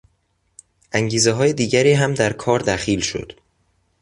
انگیزههای دیگری هم در کار دخیل شد.